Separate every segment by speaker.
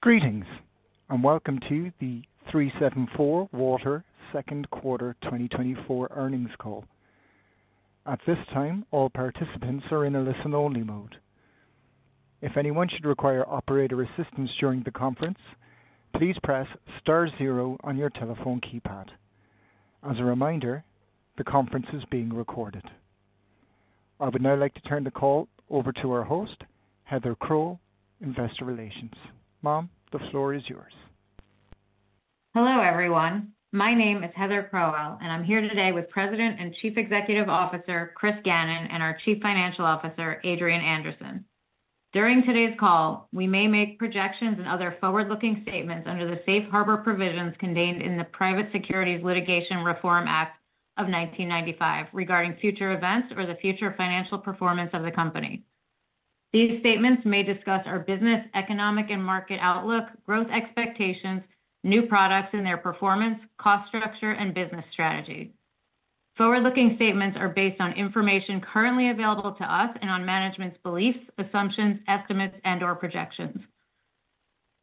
Speaker 1: Greetings, and welcome to the 374Water second quarter 2024 earnings call. At this time, all participants are in a listen-only mode. If anyone should require operator assistance during the conference, please press star zero on your telephone keypad. As a reminder, the conference is being recorded. I would now like to turn the call over to our host, Heather Crowell, Investor Relations. Ma'am, the floor is yours.
Speaker 2: Hello, everyone. My name is Heather Crowell, and I'm here today with President and Chief Executive Officer, Chris Gannon, and our Chief Financial Officer, Adrienne Anderson. During today's call, we may make projections and other forward-looking statements under the safe harbor provisions contained in the Private Securities Litigation Reform Act of 1995 regarding future events or the future financial performance of the company. These statements may discuss our business, economic and market outlook, growth expectations, new products and their performance, cost structure, and business strategy. Forward-looking statements are based on information currently available to us and on management's beliefs, assumptions, estimates, and/or projections.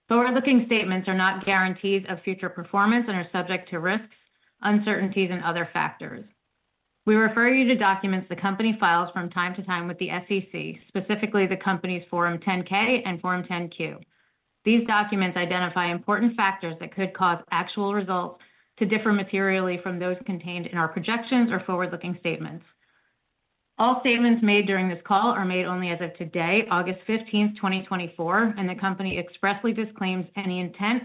Speaker 2: Forward-looking statements are not guarantees of future performance and are subject to risks, uncertainties, and other factors. We refer you to documents the company files from time to time with the SEC, specifically the company's Form 10-K and Form 10-Q. These documents identify important factors that could cause actual results to differ materially from those contained in our projections or forward-looking statements. All statements made during this call are made only as of today, August 15th, 2024, and the company expressly disclaims any intent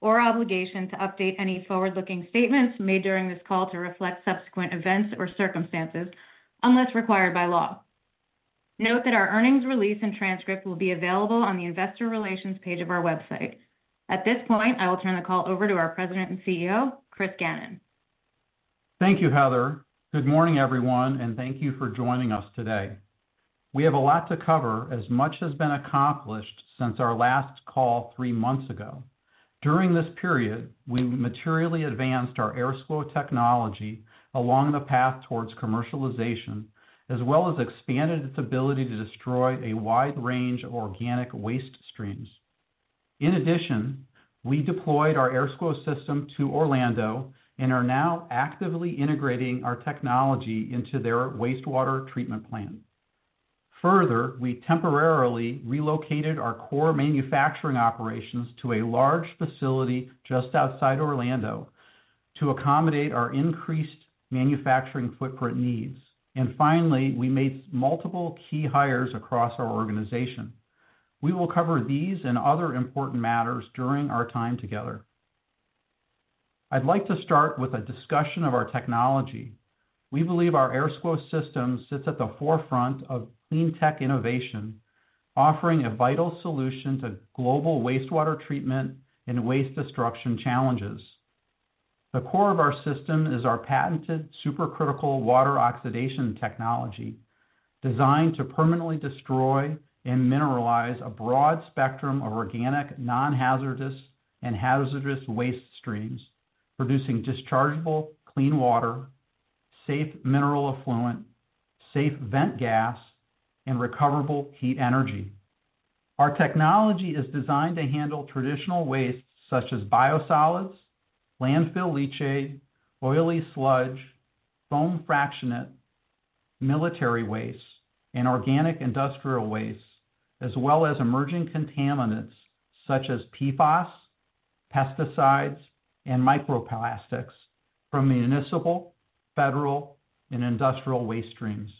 Speaker 2: or obligation to update any forward-looking statements made during this call to reflect subsequent events or circumstances unless required by law. Note that our earnings release and transcript will be available on the investor relations page of our website. At this point, I will turn the call over to our President and CEO, Chris Gannon.
Speaker 3: Thank you, Heather. Good morning, everyone, and thank you for joining us today. We have a lot to cover, as much has been accomplished since our last call three months ago. During this period, we materially advanced our AirSCWO technology along the path towards commercialization, as well as expanded its ability to destroy a wide range of organic waste streams. In addition, we deployed our AirSCWO system to Orlando and are now actively integrating our technology into their wastewater treatment plant. Further, we temporarily relocated our core manufacturing operations to a large facility just outside Orlando to accommodate our increased manufacturing footprint needs. And finally, we made multiple key hires across our organization. We will cover these and other important matters during our time together. I'd like to start with a discussion of our technology. We believe our AirSCWO system sits at the forefront of clean tech innovation, offering a vital solution to global wastewater treatment and waste destruction challenges. The core of our system is our patented supercritical water oxidation technology, designed to permanently destroy and mineralize a broad spectrum of organic, non-hazardous, and hazardous waste streams, producing dischargeable clean water, safe mineral effluent, safe vent gas, and recoverable heat energy. Our technology is designed to handle traditional waste such as biosolids, landfill leachate, oily sludge, foam fractionate, military waste, and organic industrial waste, as well as emerging contaminants such as PFAS, pesticides, and microplastics from municipal, federal, and industrial waste streams.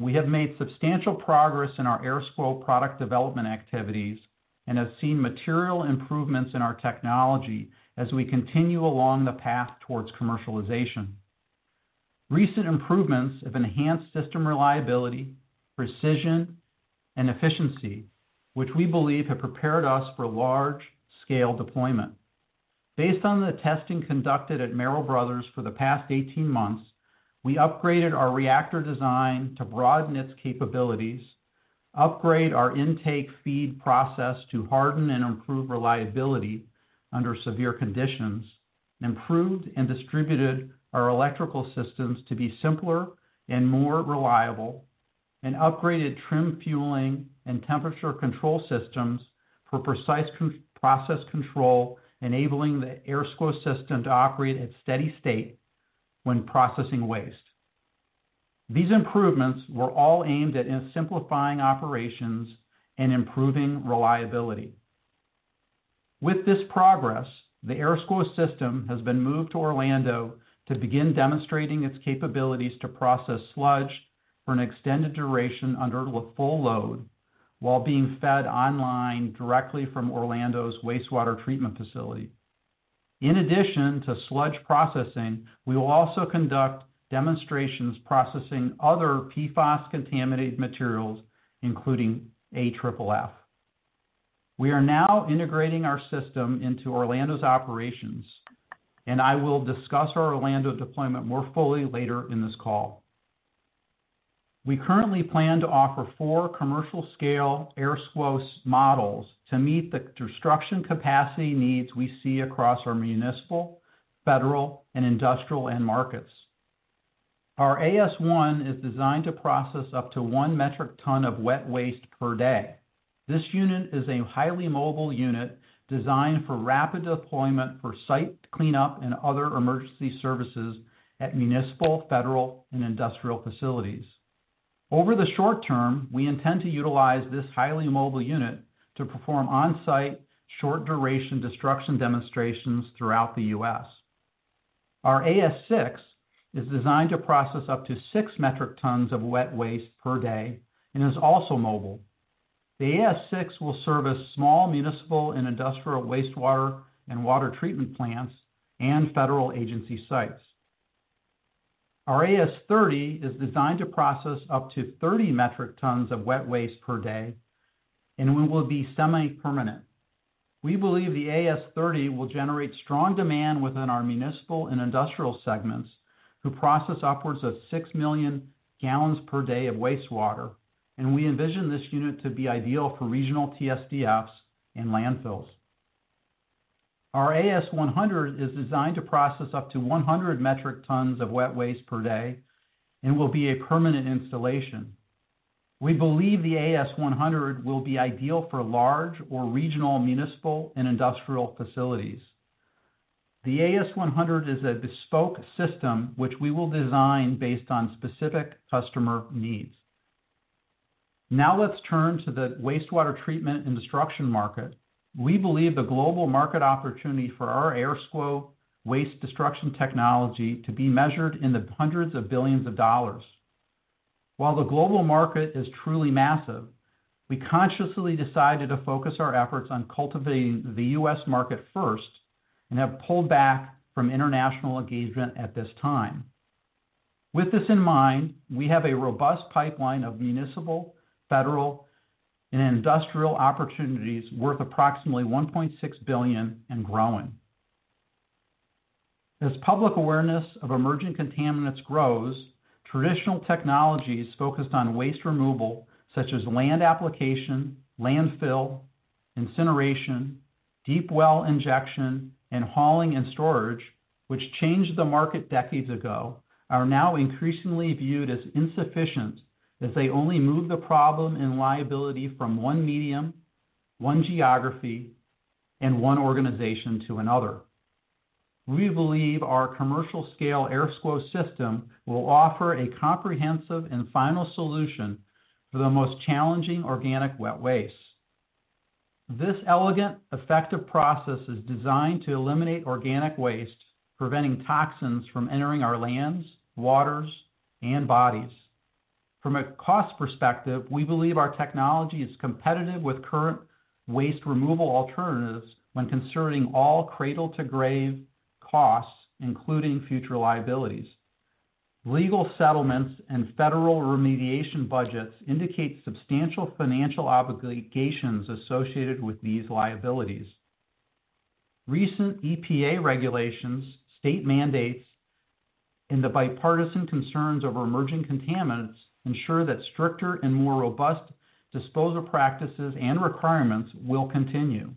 Speaker 3: We have made substantial progress in our AirSCWO product development activities and have seen material improvements in our technology as we continue along the path towards commercialization. Recent improvements have enhanced system reliability, precision, and efficiency, which we believe have prepared us for large-scale deployment. Based on the testing conducted at Merrell Bros. for the past 18 months, we upgraded our reactor design to broaden its capabilities, upgrade our intake feed process to harden and improve reliability under severe conditions, improved and distributed our electrical systems to be simpler and more reliable, and upgraded trim fueling and temperature control systems for precise process control, enabling the AirSCWO system to operate at steady state when processing waste. These improvements were all aimed at simplifying operations and improving reliability. With this progress, the AirSCWO system has been moved to Orlando to begin demonstrating its capabilities to process sludge for an extended duration under the full load while being fed online directly from Orlando's wastewater treatment facility. In addition to sludge processing, we will also conduct demonstrations processing other PFAS-contaminated materials, including AFFF. We are now integrating our system into Orlando's operations, and I will discuss our Orlando deployment more fully later in this call. We currently plan to offer 4 commercial-scale AirSCWO models to meet the destruction capacity needs we see across our municipal, federal, and industrial end markets.... Our AS1 is designed to process up to 1 metric ton of wet waste per day. This unit is a highly mobile unit designed for rapid deployment for site cleanup and other emergency services at municipal, federal, and industrial facilities. Over the short term, we intend to utilize this highly mobile unit to perform on-site, short-duration destruction demonstrations throughout the U.S. Our AS6 is designed to process up to 6 metric tons of wet waste per day and is also mobile. The AS6 will service small municipal and industrial wastewater and water treatment plants and federal agency sites. Our AS30 is designed to process up to 30 metric tons of wet waste per day and will be semi-permanent. We believe the AS30 will generate strong demand within our municipal and industrial segments, who process upwards of 6 million gallons per day of wastewater, and we envision this unit to be ideal for regional TSDFs and landfills. Our AS100 is designed to process up to 100 metric tons of wet waste per day and will be a permanent installation. We believe the AS100 will be ideal for large or regional municipal and industrial facilities. The AS100 is a bespoke system, which we will design based on specific customer needs. Now let's turn to the wastewater treatment and destruction market. We believe the global market opportunity for our AirSCWO waste destruction technology to be measured in the $hundreds of billions. While the global market is truly massive, we consciously decided to focus our efforts on cultivating the US market first and have pulled back from international engagement at this time. With this in mind, we have a robust pipeline of municipal, federal, and industrial opportunities worth approximately $1.6 billion and growing. As public awareness of emerging contaminants grows, traditional technologies focused on waste removal, such as land application, landfill, incineration, deep well injection, and hauling and storage, which changed the market decades ago, are now increasingly viewed as insufficient as they only move the problem and liability from one medium, one geography, and one organization to another. We believe our commercial-scale AirSCWO system will offer a comprehensive and final solution for the most challenging organic wet waste. This elegant, effective process is designed to eliminate organic waste, preventing toxins from entering our lands, waters, and bodies. From a cost perspective, we believe our technology is competitive with current waste removal alternatives when considering all cradle-to-grave costs, including future liabilities. Legal settlements and federal remediation budgets indicate substantial financial obligations associated with these liabilities. Recent EPA regulations, state mandates, and the bipartisan concerns over emerging contaminants ensure that stricter and more robust disposal practices and requirements will continue,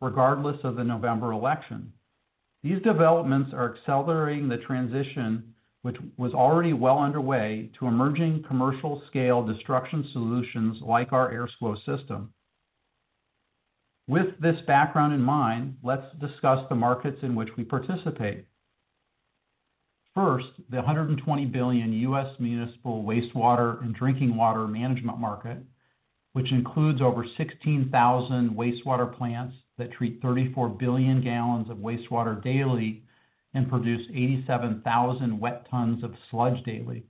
Speaker 3: regardless of the November election. These developments are accelerating the transition, which was already well underway, to emerging commercial-scale destruction solutions like our AirSCWO system. With this background in mind, let's discuss the markets in which we participate. First, the $120 billion U.S. municipal wastewater and drinking water management market, which includes over 16,000 wastewater plants that treat 34 billion gallons of wastewater daily and produce 87,000 wet tons of sludge daily.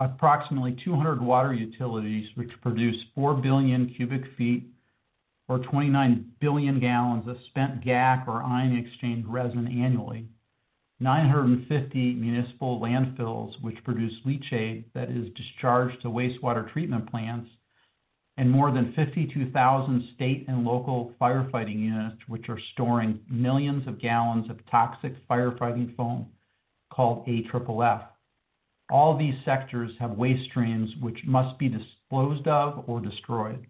Speaker 3: Approximately 200 water utilities, which produce 4 billion cubic feet or 29 billion gallons of spent GAC or ion exchange resin annually, 950 municipal landfills, which produce leachate that is discharged to wastewater treatment plants, and more than 52,000 state and local firefighting units, which are storing millions of gallons of toxic firefighting foam called AFFF. All these sectors have waste streams which must be disposed of or destroyed.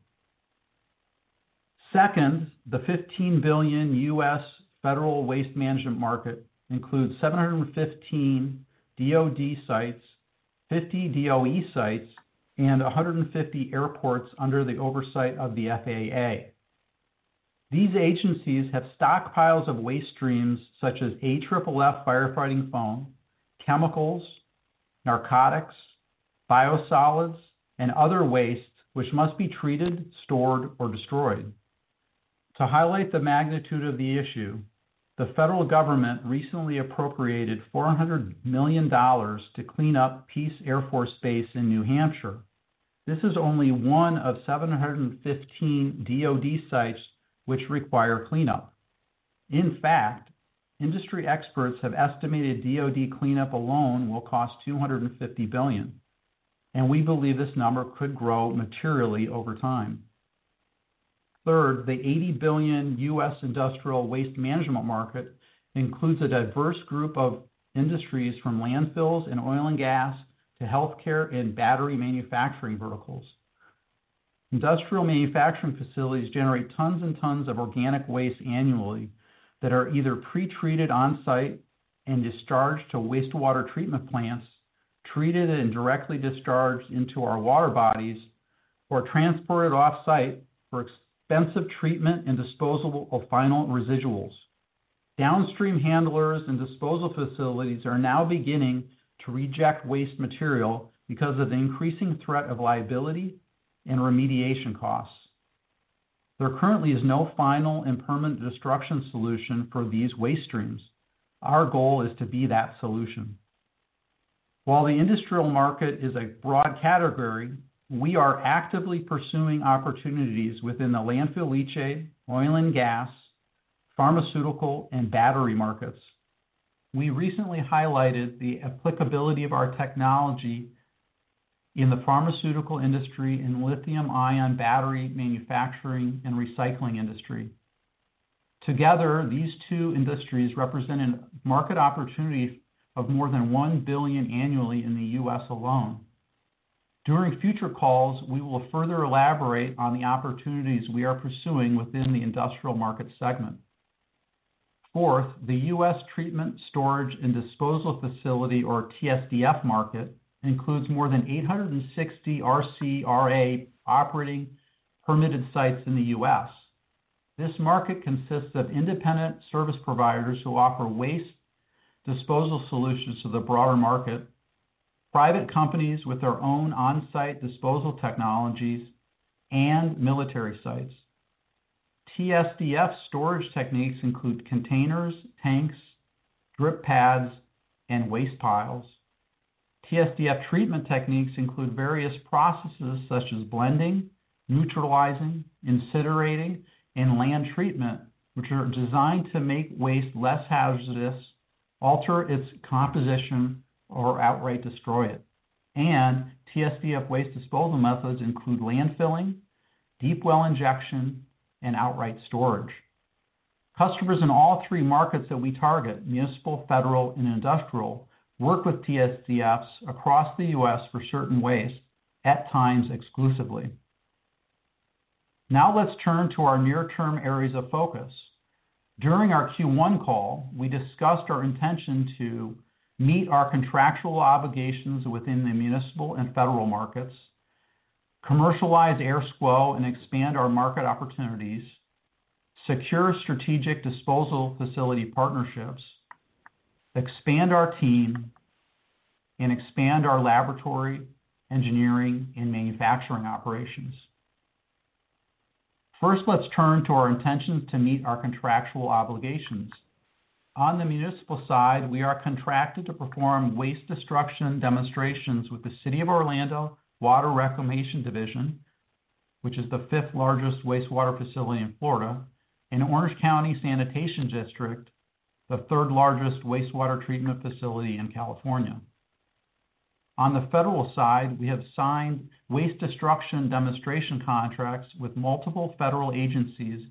Speaker 3: Second, the $15 billion U.S. federal waste management market includes 715 DoD sites, 50 DOE sites, and 150 airports under the oversight of the FAA. These agencies have stockpiles of waste streams such as AFFF firefighting foam, chemicals, narcotics, biosolids, and other wastes, which must be treated, stored, or destroyed. To highlight the magnitude of the issue, the federal government recently appropriated $400 million to clean up Pease Air Force Base in New Hampshire. This is only one of 715 DoD sites which require cleanup. In fact, industry experts have estimated DoD cleanup alone will cost $250 billion, and we believe this number could grow materially over time. Third, the $80 billion US industrial waste management market includes a diverse group of industries from landfills and oil and gas to healthcare and battery manufacturing verticals.... Industrial manufacturing facilities generate tons and tons of organic waste annually that are either pretreated on-site and discharged to wastewater treatment plants, treated and directly discharged into our water bodies, or transported off-site for expensive treatment and disposal of final residuals. Downstream handlers and disposal facilities are now beginning to reject waste material because of the increasing threat of liability and remediation costs. There currently is no final and permanent destruction solution for these waste streams. Our goal is to be that solution. While the industrial market is a broad category, we are actively pursuing opportunities within the landfill leachate, oil and gas, pharmaceutical, and battery markets. We recently highlighted the applicability of our technology in the pharmaceutical industry and lithium-ion battery manufacturing and recycling industry. Together, these two industries represent a market opportunity of more than $1 billion annually in the U.S. alone. During future calls, we will further elaborate on the opportunities we are pursuing within the industrial market segment. Fourth, the U.S. Treatment, Storage, and Disposal Facility, or TSDF market, includes more than 860 RCRA operating permitted sites in the U.S. This market consists of independent service providers who offer waste disposal solutions to the broader market, private companies with their own on-site disposal technologies, and military sites. TSDF storage techniques include containers, tanks, drip pads, and waste piles. TSDF treatment techniques include various processes such as blending, neutralizing, incinerating, and land treatment, which are designed to make waste less hazardous, alter its composition, or outright destroy it. TSDF waste disposal methods include landfilling, deep well injection, and outright storage. Customers in all three markets that we target, municipal, federal, and industrial, work with TSDFs across the U.S. for certain waste, at times exclusively. Now let's turn to our near-term areas of focus. During our Q1 call, we discussed our intention to meet our contractual obligations within the municipal and federal markets, commercialize AirSCWO and expand our market opportunities, secure strategic disposal facility partnerships, expand our team, and expand our laboratory, engineering, and manufacturing operations. First, let's turn to our intentions to meet our contractual obligations. On the municipal side, we are contracted to perform waste destruction demonstrations with the City of Orlando Water Reclamation Division, which is the fifth largest wastewater facility in Florida, and Orange County Sanitation District, the third-largest wastewater treatment facility in California. On the federal side, we have signed waste destruction demonstration contracts with multiple federal agencies,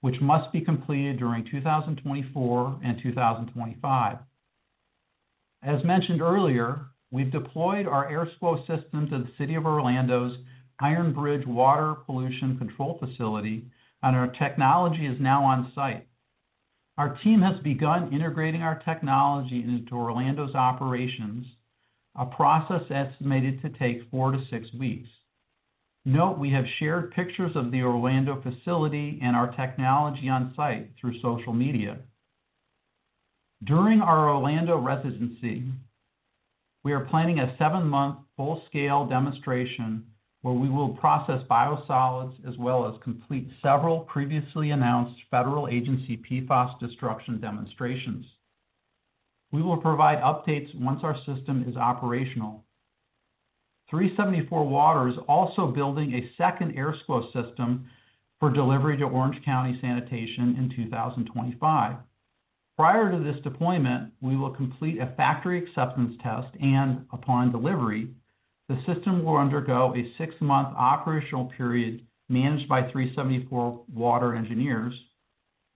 Speaker 3: which must be completed during 2024 and 2025. As mentioned earlier, we've deployed our AirSCWO systems at the City of Orlando's Iron Bridge Water Pollution Control Facility, and our technology is now on-site. Our team has begun integrating our technology into Orlando's operations, a process estimated to take 4-6 weeks. Note, we have shared pictures of the Orlando facility and our technology on-site through social media. During our Orlando residency, we are planning a 7-month full-scale demonstration where we will process biosolids, as well as complete several previously announced federal agency PFAS destruction demonstrations. We will provide updates once our system is operational. 374Water is also building a second AirSCWO system for delivery to Orange County Sanitation in 2025. Prior to this deployment, we will complete a factory acceptance test, and upon delivery, the system will undergo a 6-month operational period managed by 374Water engineers,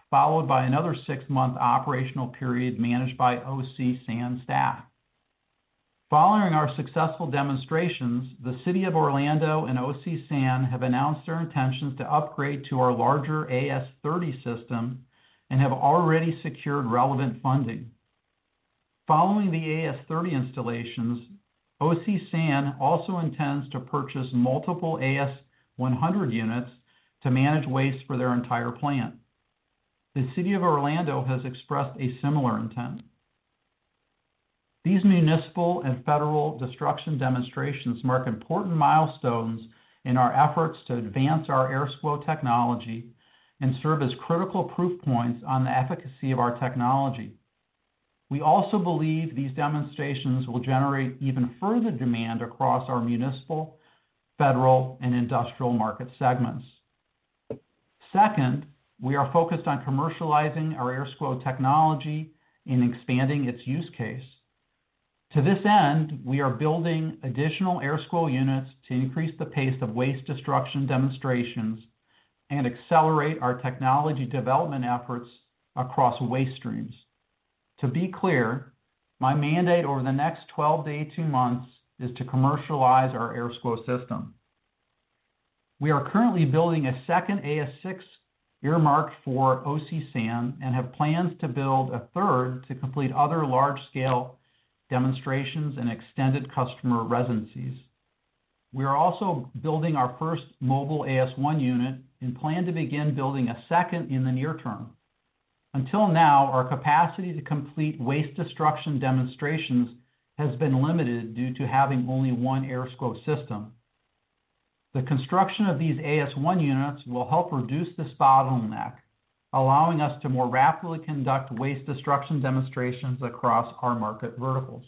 Speaker 3: followed by another 6-month operational period managed by OC San staff. Following our successful demonstrations, the City of Orlando and OC San have announced their intentions to upgrade to our larger AS30 system and have already secured relevant funding. Following the AS30 installations, OC San also intends to purchase multiple AS100 units to manage waste for their entire plant. The City of Orlando has expressed a similar intent. These municipal and federal destruction demonstrations mark important milestones in our efforts to advance our AirSCWO technology and serve as critical proof points on the efficacy of our technology. We also believe these demonstrations will generate even further demand across our municipal, federal, and industrial market segments. Second, we are focused on commercializing our AirSCWO technology and expanding its use case. To this end, we are building additional AirSCWO units to increase the pace of waste destruction demonstrations and accelerate our technology development efforts across waste streams.... To be clear, my mandate over the next 12-18 months is to commercialize our AirSCWO system. We are currently building a second AS6 earmarked for OC San, and have plans to build a third to complete other large-scale demonstrations and extended customer residencies. We are also building our first mobile AS1 unit, and plan to begin building a second in the near term. Until now, our capacity to complete waste destruction demonstrations has been limited due to having only one AirSCWO system. The construction of these AS1 units will help reduce this bottleneck, allowing us to more rapidly conduct waste destruction demonstrations across our market verticals.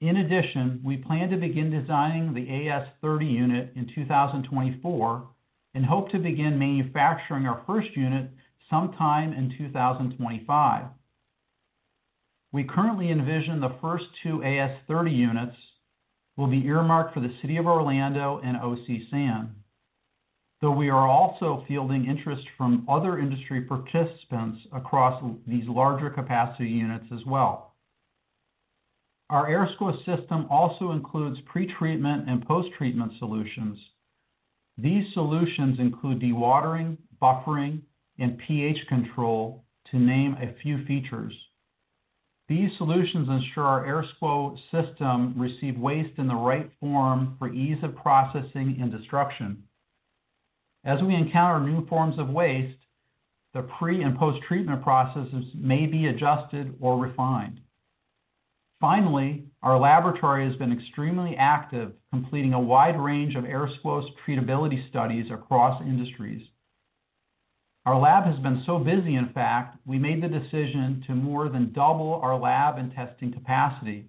Speaker 3: In addition, we plan to begin designing the AS30 unit in 2024, and hope to begin manufacturing our first unit sometime in 2025. We currently envision the first two AS30 units will be earmarked for the City of Orlando and OC San, though we are also fielding interest from other industry participants across these larger capacity units as well. Our AirSCWO system also includes pretreatment and posttreatment solutions. These solutions include dewatering, buffering, and pH control, to name a few features. These solutions ensure our AirSCWO system receive waste in the right form for ease of processing and destruction. As we encounter new forms of waste, the pre- and posttreatment processes may be adjusted or refined. Finally, our laboratory has been extremely active, completing a wide range of AirSCWO's treatability studies across industries. Our lab has been so busy, in fact, we made the decision to more than double our lab and testing capacity.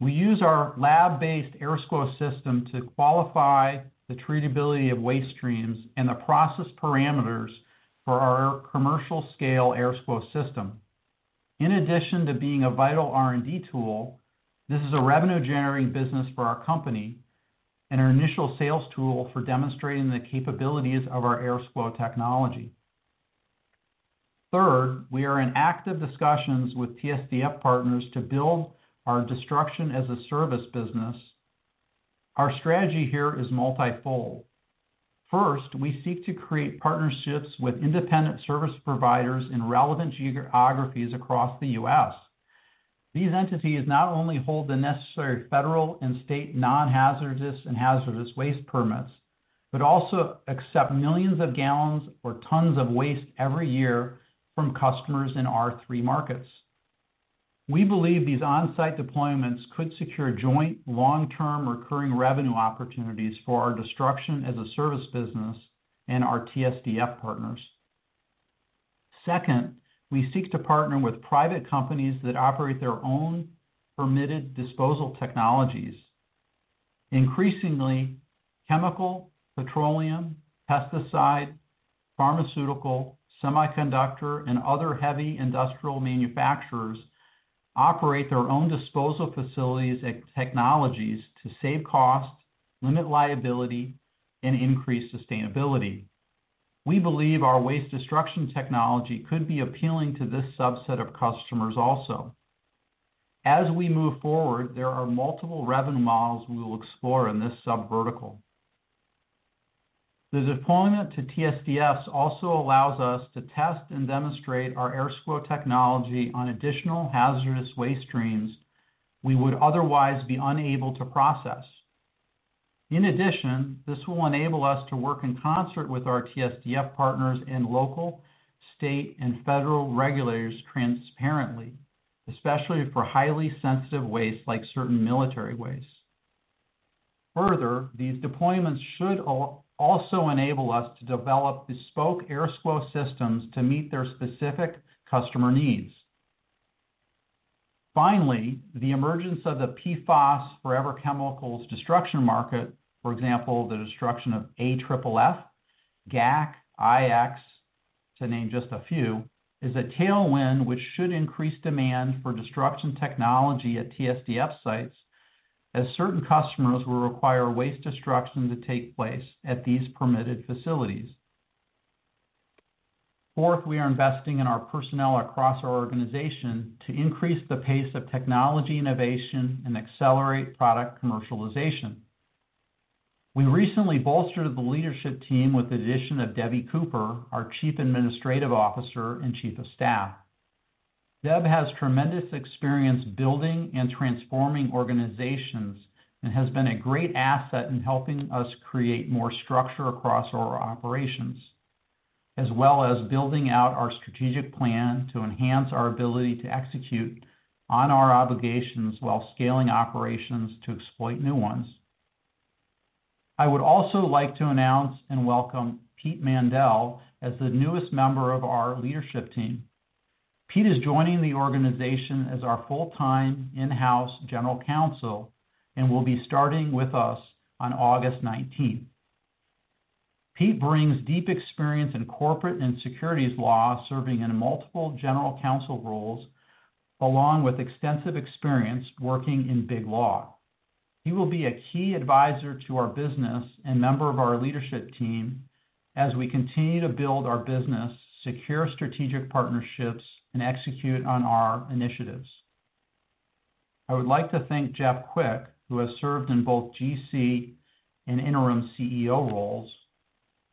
Speaker 3: We use our lab-based AirSCWO system to qualify the treatability of waste streams and the process parameters for our commercial scale AirSCWO system. In addition to being a vital R&D tool, this is a revenue-generating business for our company and our initial sales tool for demonstrating the capabilities of our AirSCWO technology. Third, we are in active discussions with TSDF partners to build our destruction-as-a-service business. Our strategy here is multifold. First, we seek to create partnerships with independent service providers in relevant geographies across the U.S. These entities not only hold the necessary federal and state non-hazardous and hazardous waste permits, but also accept millions of gallons or tons of waste every year from customers in our three markets. We believe these on-site deployments could secure joint, long-term, recurring revenue opportunities for our destruction-as-a-service business and our TSDF partners. Second, we seek to partner with private companies that operate their own permitted disposal technologies. Increasingly, chemical, petroleum, pesticide, pharmaceutical, semiconductor, and other heavy industrial manufacturers operate their own disposal facilities and technologies to save cost, limit liability, and increase sustainability. We believe our waste destruction technology could be appealing to this subset of customers also. As we move forward, there are multiple revenue models we will explore in this sub-vertical. The deployment to TSDFs also allows us to test and demonstrate our AirSCWO technology on additional hazardous waste streams we would otherwise be unable to process. In addition, this will enable us to work in concert with our TSDF partners and local, state, and federal regulators transparently, especially for highly sensitive waste, like certain military waste. Further, these deployments should also enable us to develop bespoke AirSCWO systems to meet their specific customer needs. Finally, the emergence of the PFAS forever chemicals destruction market, for example, the destruction of AFFF, GAC, IX, to name just a few, is a tailwind which should increase demand for destruction technology at TSDF sites, as certain customers will require waste destruction to take place at these permitted facilities. Fourth, we are investing in our personnel across our organization to increase the pace of technology innovation and accelerate product commercialization. We recently bolstered the leadership team with the addition of Deborah Cooper, our Chief Administrative Officer and Chief of Staff. Deb has tremendous experience building and transforming organizations, and has been a great asset in helping us create more structure across our operations, as well as building out our strategic plan to enhance our ability to execute on our obligations while scaling operations to exploit new ones. I would also like to announce and welcome Pete Mandel as the newest member of our leadership team. Pete is joining the organization as our full-time in-house General Counsel and will be starting with us on August nineteenth. Pete brings deep experience in corporate and securities law, serving in multiple general counsel roles, along with extensive experience working in big law. He will be a key advisor to our business and member of our leadership team as we continue to build our business, secure strategic partnerships, and execute on our initiatives. I would like to thank Jeff Quick, who has served in both GC and interim CEO roles,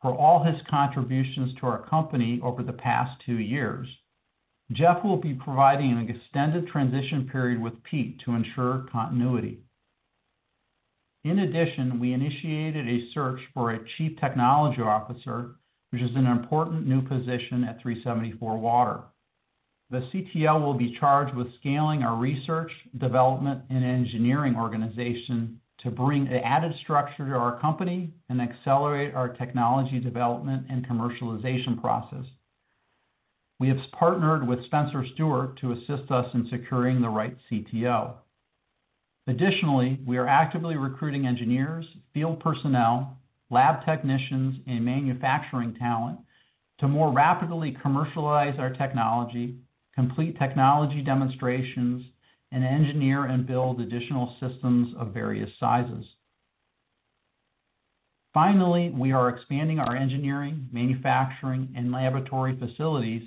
Speaker 3: for all his contributions to our company over the past two years. Jeff will be providing an extended transition period with Pete to ensure continuity. In addition, we initiated a search for a chief technology officer, which is an important new position at 374Water. The CTO will be charged with scaling our research, development, and engineering organization to bring added structure to our company and accelerate our technology development and commercialization process. We have partnered with Spencer Stuart to assist us in securing the right CTO. Additionally, we are actively recruiting engineers, field personnel, lab technicians, and manufacturing talent to more rapidly commercialize our technology, complete technology demonstrations, and engineer and build additional systems of various sizes. Finally, we are expanding our engineering, manufacturing, and laboratory facilities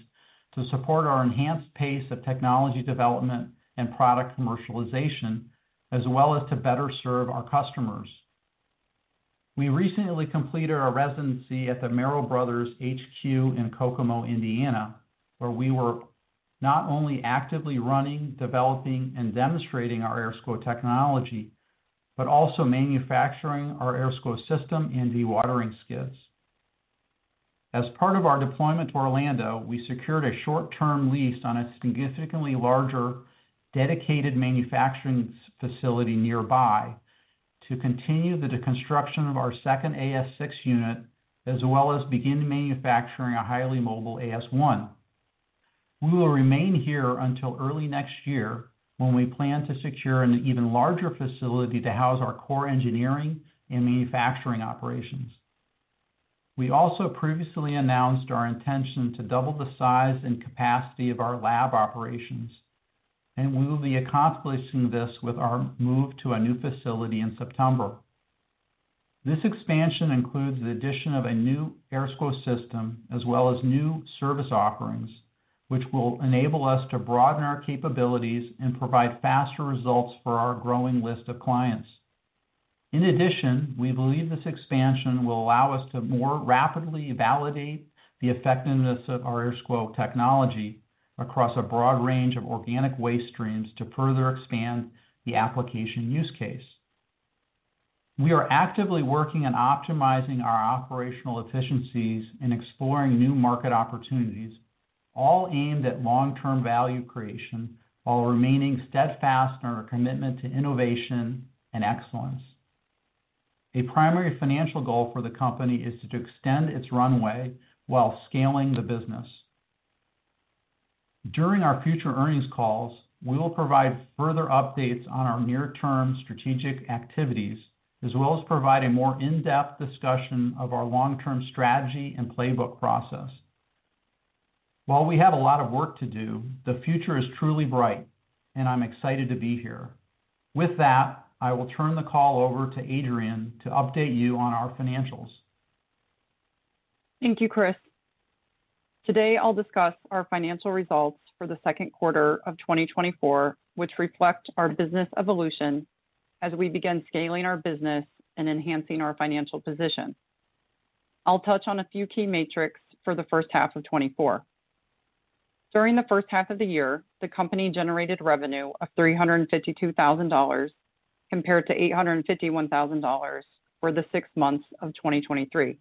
Speaker 3: to support our enhanced pace of technology development and product commercialization, as well as to better serve our customers. We recently completed a residency at the Merrell Bros. HQ in Kokomo, Indiana, where we were not only actively running, developing, and demonstrating our AirSCWO technology, but also manufacturing our AirSCWO system and dewatering skids. As part of our deployment to Orlando, we secured a short-term lease on a significantly larger, dedicated manufacturing facility nearby to continue the deconstruction of our second AS6 unit, as well as begin manufacturing a highly mobile AS1. We will remain here until early next year, when we plan to secure an even larger facility to house our core engineering and manufacturing operations. We also previously announced our intention to double the size and capacity of our lab operations, and we will be accomplishing this with our move to a new facility in September. This expansion includes the addition of a new AirSCWO system, as well as new service offerings, which will enable us to broaden our capabilities and provide faster results for our growing list of clients. In addition, we believe this expansion will allow us to more rapidly validate the effectiveness of our AirSCWO technology across a broad range of organic waste streams to further expand the application use case. We are actively working on optimizing our operational efficiencies and exploring new market opportunities, all aimed at long-term value creation, while remaining steadfast in our commitment to innovation and excellence. A primary financial goal for the company is to extend its runway while scaling the business. During our future earnings calls, we will provide further updates on our near-term strategic activities, as well as provide a more in-depth discussion of our long-term strategy and playbook process. While we have a lot of work to do, the future is truly bright, and I'm excited to be here. With that, I will turn the call over to Adrienne to update you on our financials.
Speaker 4: Thank you, Chris. Today, I'll discuss our financial results for the second quarter of 2024, which reflect our business evolution as we begin scaling our business and enhancing our financial position. I'll touch on a few key metrics for the first half of 2024. During the first half of the year, the company generated revenue of $352,000, compared to $851,000 for the six months of 2023.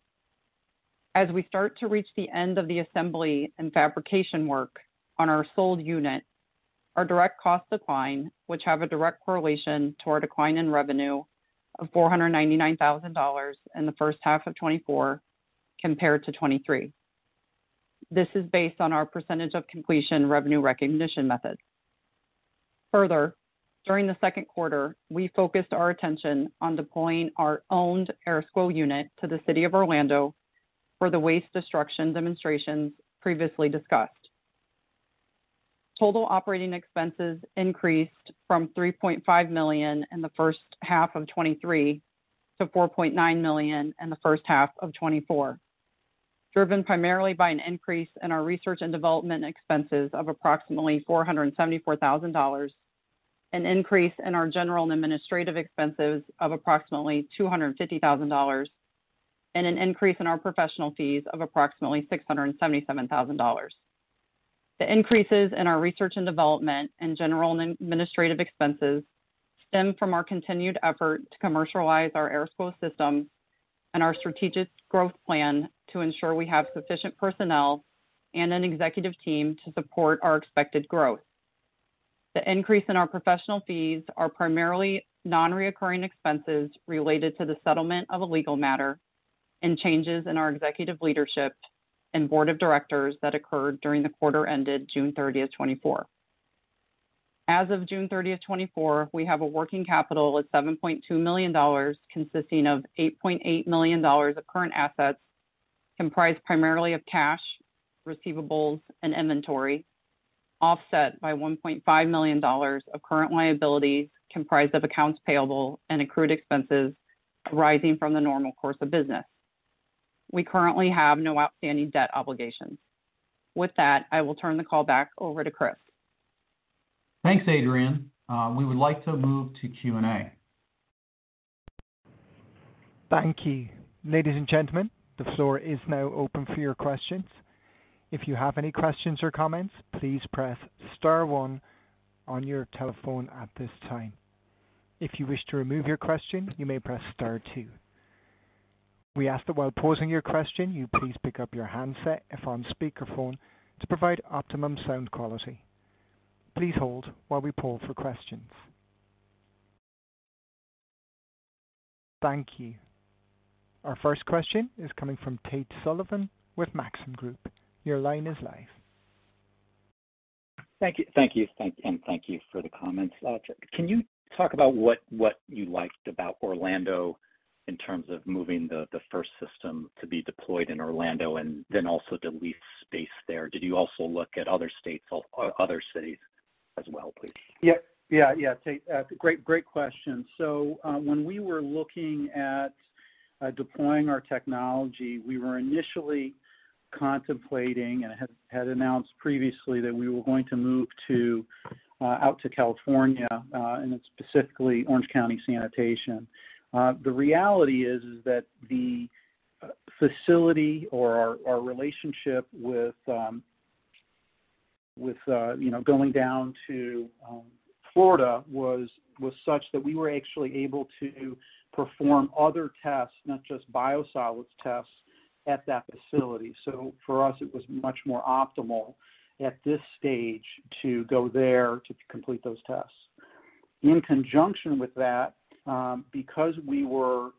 Speaker 4: As we start to reach the end of the assembly and fabrication work on our sold unit, our direct costs decline, which have a direct correlation to our decline in revenue of $499,000 in the first half of 2024 compared to 2023. This is based on our percentage of completion revenue recognition method. Further, during the second quarter, we focused our attention on deploying our owned AirSCWO unit to the city of Orlando for the waste destruction demonstrations previously discussed. Total operating expenses increased from $3.5 million in the first half of 2023 to $4.9 million in the first half of 2024, driven primarily by an increase in our research and development expenses of approximately $474 thousand, an increase in our general and administrative expenses of approximately $250 thousand, and an increase in our professional fees of approximately $677 thousand. The increases in our research and development and general and administrative expenses stem from our continued effort to commercialize our AirSCWO system and our strategic growth plan to ensure we have sufficient personnel and an executive team to support our expected growth. The increase in our professional fees are primarily non-recurring expenses related to the settlement of a legal matter and changes in our executive leadership and board of directors that occurred during the quarter ended June 30, 2024. As of June 30, 2024, we have a working capital of $7.2 million, consisting of $8.8 million of current assets, comprised primarily of cash, receivables, and inventory, offset by $1.5 million of current liabilities, comprised of accounts payable and accrued expenses arising from the normal course of business. We currently have no outstanding debt obligations. With that, I will turn the call back over to Chris.
Speaker 3: Thanks, Adrienne. We would like to move to Q&A.
Speaker 1: Thank you. Ladies and gentlemen, the floor is now open for your questions. If you have any questions or comments, please press star one on your telephone at this time. If you wish to remove your question, you may press star two. We ask that while posing your question, you please pick up your handset, if on speakerphone, to provide optimum sound quality. Please hold while we poll for questions. Thank you. Our first question is coming from Tate Sullivan with Maxim Group. Your line is live.
Speaker 5: Thank you. Thank you. And thank you for the comments. Can you talk about what, what you liked about Orlando in terms of moving the, the first system to be deployed in Orlando and then also the lease space there? Did you also look at other states or, or other cities as well, please?
Speaker 3: Yeah, yeah, yeah, Tate, great, great question. So, when we were looking at deploying our technology, we were initially contemplating and had announced previously that we were going to move to out to California, and specifically Orange County Sanitation. The reality is that the facility or our relationship with you know, going down to Florida was such that we were actually able to perform other tests, not just biosolids tests, at that facility. So for us, it was much more optimal at this stage to go there to complete those tests. In conjunction with that, because we were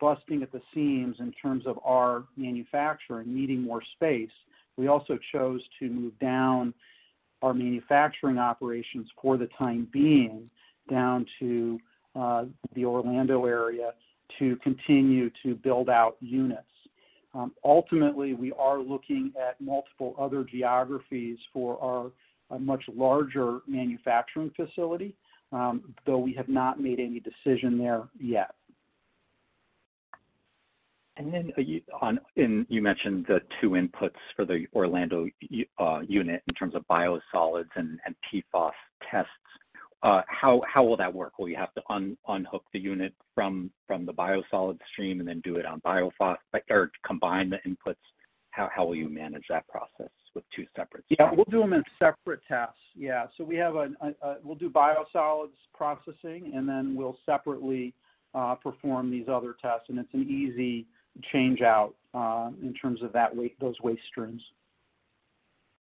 Speaker 3: busting at the seams in terms of our manufacturing, needing more space, we also chose to move down our manufacturing operations for the time being, down to the Orlando area to continue to build out units. Ultimately, we are looking at multiple other geographies for our, a much larger manufacturing facility, though we have not made any decision there yet.
Speaker 5: And then, and you mentioned the two inputs for the Orlando unit in terms of biosolids and PFOS tests. How will that work? Will you have to unhook the unit from the biosolids stream and then do it on PFOS, or combine the inputs? How will you manage that process with two separate steps?
Speaker 3: Yeah, we'll do them in separate tests. Yeah, so we have, we'll do biosolids processing, and then we'll separately perform these other tests, and it's an easy change-out in terms of that waste, those waste streams.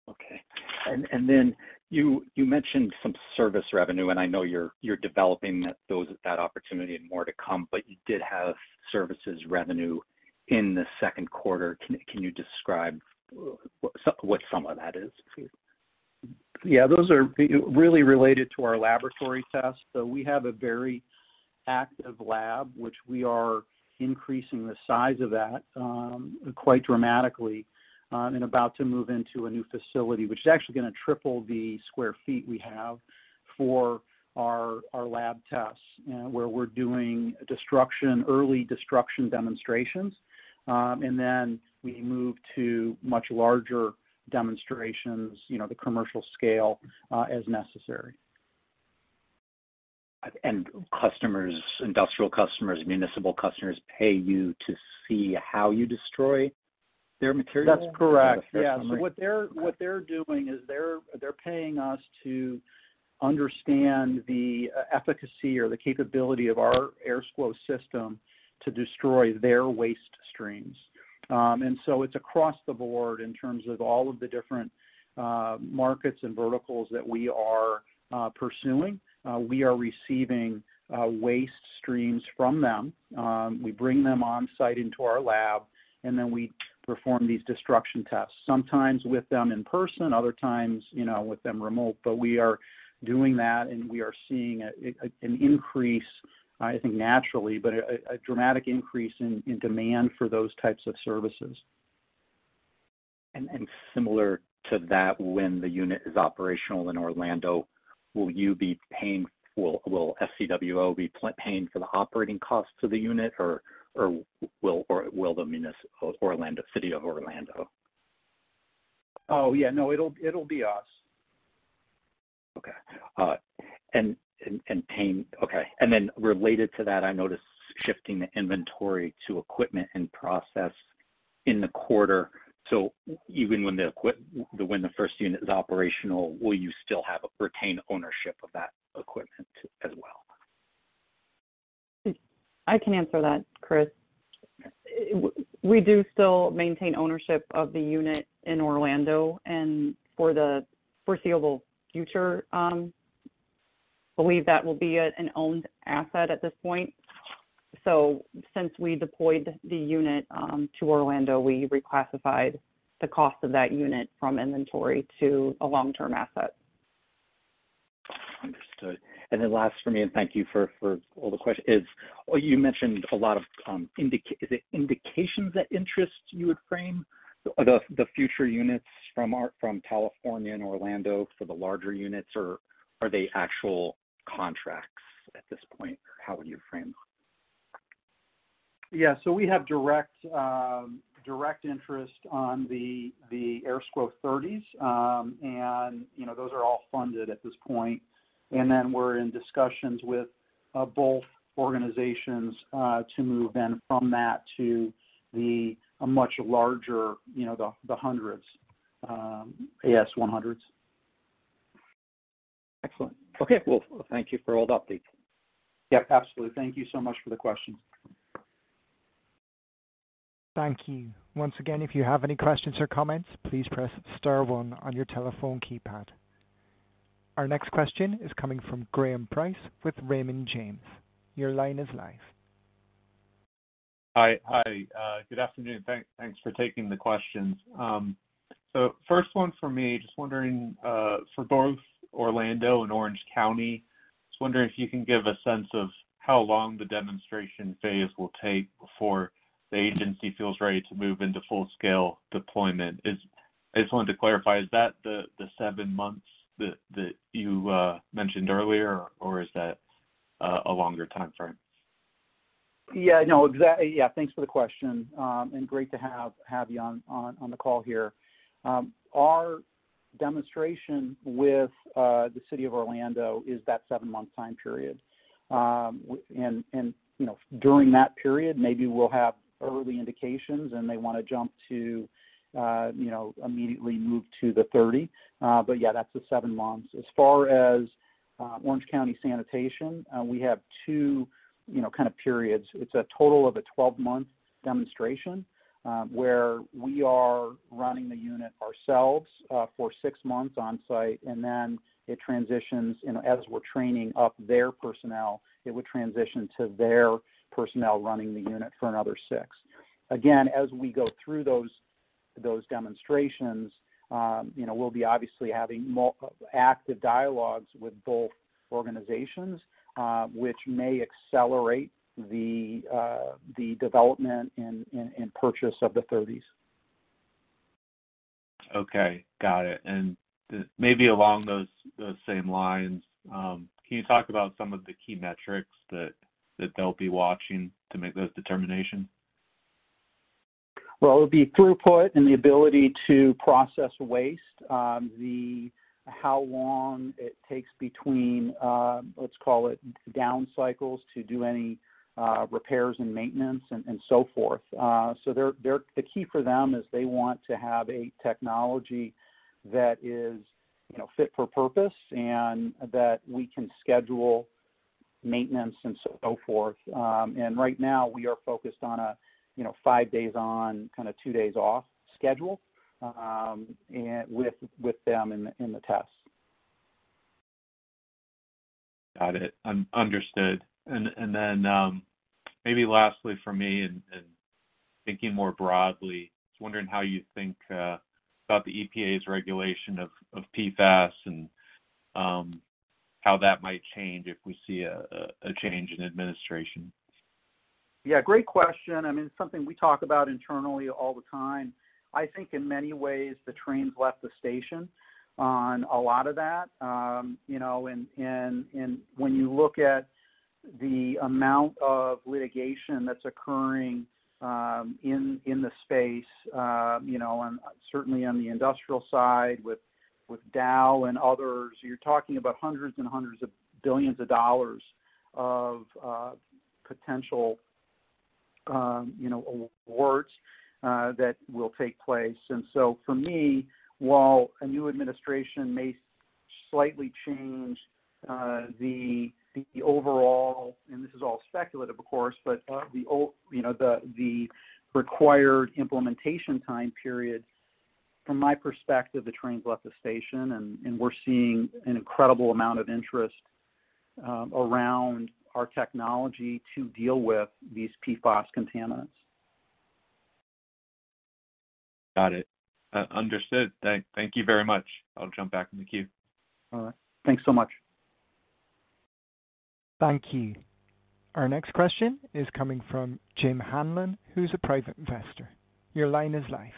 Speaker 5: Okay. And then you mentioned some service revenue, and I know you're developing that opportunity and more to come, but you did have services revenue in the second quarter. Can you describe what some of that is, please?
Speaker 3: Yeah, those are really related to our laboratory tests. So we have a very active lab, which we are increasing the size of that, quite dramatically, and about to move into a new facility, which is actually gonna triple the sq ft we have for our, our lab tests, where we're doing destruction, early destruction demonstrations. And then we move to much larger demonstrations, you know, the commercial scale, as necessary.
Speaker 5: Customers, industrial customers, municipal customers, pay you to see how you destroy their material?
Speaker 3: That's correct. Yeah. So what they're doing is they're paying us to understand the efficacy or the capability of our AirSCWO system to destroy their waste streams. And so it's across the board in terms of all of the different markets and verticals that we are pursuing. We are receiving waste streams from them. We bring them on-site into our lab, and then we perform these destruction tests, sometimes with them in person, other times, you know, with them remote. But we are doing that, and we are seeing an increase, I think, naturally, but a dramatic increase in demand for those types of services.
Speaker 5: Similar to that, when the unit is operational in Orlando, will SCWO be paying for the operating costs of the unit, or will the city of Orlando?
Speaker 3: Oh, yeah. No, it'll, it'll be us.
Speaker 5: Okay. Okay. And then related to that, I noticed shifting the inventory to equipment and process in the quarter. So even when the equip- when the first unit is operational, will you still have, retain ownership of that equipment as well?
Speaker 4: I can answer that, Chris. We do still maintain ownership of the unit in Orlando, and for the foreseeable future, believe that will be an owned asset at this point. So since we deployed the unit to Orlando, we reclassified the cost of that unit from inventory to a long-term asset....
Speaker 5: Understood. And then last for me, and thank you for all the questions, is, you mentioned a lot of indications that interest you would frame the future units from our, from California and Orlando for the larger units, or are they actual contracts at this point? Or how would you frame them?
Speaker 3: Yeah, so we have direct interest on the AS30s. And you know, those are all funded at this point. And then we're in discussions with both organizations to move then from that to a much larger, you know, the 100s, AS100s.
Speaker 5: Excellent. Okay, well, thank you for all the updates.
Speaker 3: Yep, absolutely. Thank you so much for the question.
Speaker 1: Thank you. Once again, if you have any questions or comments, please press star one on your telephone keypad. Our next question is coming from Graham Price with Raymond James. Your line is live.
Speaker 6: Hi, hi, good afternoon. Thanks for taking the questions. So first one for me, just wondering for both Orlando and Orange County, just wondering if you can give a sense of how long the demonstration phase will take before the agency feels ready to move into full-scale deployment. I just wanted to clarify, is that the 7 months that you mentioned earlier, or is that a longer timeframe?
Speaker 3: Yeah, no, yeah, thanks for the question, and great to have you on the call here. Our demonstration with the City of Orlando is that 7-month time period. And, you know, during that period, maybe we'll have early indications, and they want to jump to, you know, immediately move to the 30. But yeah, that's the 7 months. As far as Orange County Sanitation, we have two, you know, kind of periods. It's a total of a 12-month demonstration, where we are running the unit ourselves for 6 months on site, and then it transitions. And as we're training up their personnel, it would transition to their personnel running the unit for another 6. Again, as we go through those demonstrations, you know, we'll be obviously having multiple active dialogues with both organizations, which may accelerate the development and purchase of the thirties.
Speaker 6: Okay, got it. And maybe along those same lines, can you talk about some of the key metrics that they'll be watching to make those determinations?
Speaker 3: Well, it'll be throughput and the ability to process waste. How long it takes between, let's call it down cycles, to do any repairs and maintenance and so forth. So they're the key for them is they want to have a technology that is, you know, fit for purpose and that we can schedule maintenance and so forth. And right now, we are focused on a, you know, five days on, kind of, two days off schedule, and with them in the test.
Speaker 6: Got it. Understood. And then, maybe lastly for me, and thinking more broadly, just wondering how you think about the EPA's regulation of PFAS and how that might change if we see a change in administration.
Speaker 3: Yeah, great question. I mean, it's something we talk about internally all the time. I think in many ways, the train's left the station on a lot of that. You know, and when you look at the amount of litigation that's occurring in the space, you know, and certainly on the industrial side with Dow and others, you're talking about hundreds and hundreds of billions of dollars of potential awards that will take place. And so for me, while a new administration may slightly change the overall, and this is all speculative, of course, but you know, the required implementation time period, from my perspective, the train's left the station, and we're seeing an incredible amount of interest around our technology to deal with these PFAS contaminants.
Speaker 6: Got it. Understood. Thank you very much. I'll jump back in the queue.
Speaker 3: All right. Thanks so much.
Speaker 1: Thank you. Our next question is coming from Jim Hanlon, who's a private investor. Your line is live.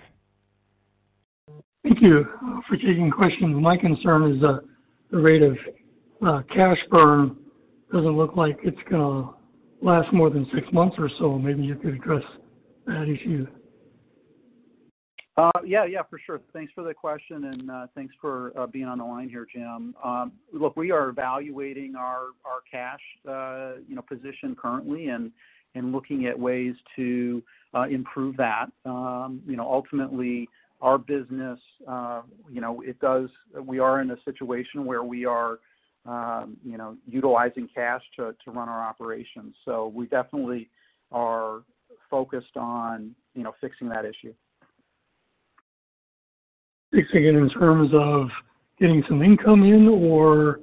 Speaker 7: Thank you for taking questions. My concern is that the rate of cash burn doesn't look like it's gonna last more than six months or so. Maybe you could address that issue.
Speaker 3: Yeah, yeah, for sure. Thanks for the question, and thanks for being on the line here, Jim. Look, we are evaluating our cash, you know, position currently and looking at ways to improve that. You know, ultimately, our business, you know, it does, we are in a situation where we are, you know, utilizing cash to run our operations. So we definitely are focused on, you know, fixing that issue.
Speaker 7: Fixing it in terms of getting some income in or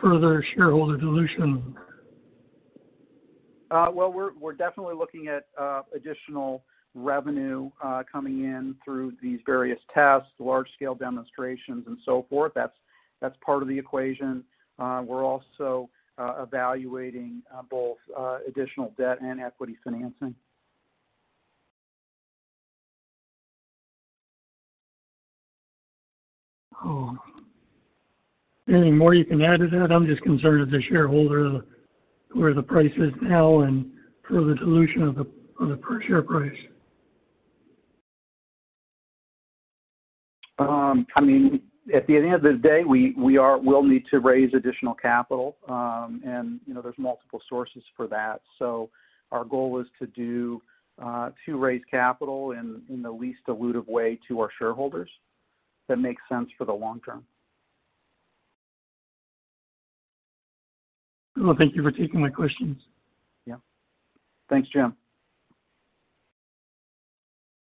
Speaker 7: further shareholder dilution?
Speaker 3: Well, we're definitely looking at additional revenue coming in through these various tests, large-scale demonstrations, and so forth. That's part of the equation. We're also evaluating both additional debt and equity financing.
Speaker 7: Oh, anything more you can add to that? I'm just concerned as a shareholder, where the price is now and further dilution of the, of the per share price.
Speaker 3: I mean, at the end of the day, we will need to raise additional capital. And, you know, there's multiple sources for that. So our goal is to raise capital in the least dilutive way to our shareholders that makes sense for the long term.
Speaker 7: Well, thank you for taking my questions.
Speaker 3: Yeah. Thanks, Jim.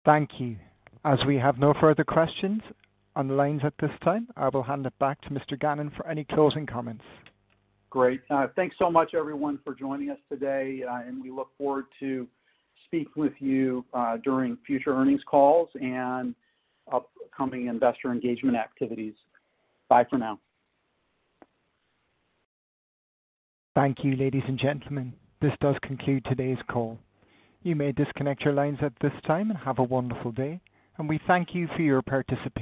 Speaker 1: Thank you. As we have no further questions on the lines at this time, I will hand it back to Mr. Gannon for any closing comments.
Speaker 3: Great. Thanks so much, everyone, for joining us today, and we look forward to speaking with you during future earnings calls and upcoming investor engagement activities. Bye for now.
Speaker 1: Thank you, ladies and gentlemen. This does conclude today's call. You may disconnect your lines at this time. Have a wonderful day, and we thank you for your participation.